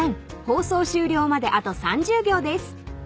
放送終了まであと３０秒です］